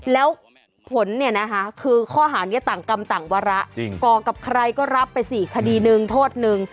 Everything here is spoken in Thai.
แล้วผลเนี่ยนะคะคือข้อหานี้ต่างกรรมต่างวาระก่อกับใครก็รับไป๔คดีหนึ่งโทษหนึ่ง